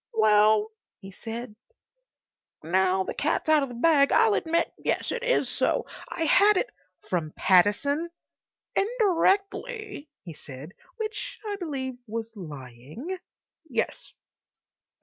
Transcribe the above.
"Well," he said, "now the cat's out of the bag, I'll admit, yes, it is so. I had it—" "From Pattison?" "Indirectly," he said, which I believe was lying, "yes."